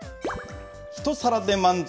一皿で満足！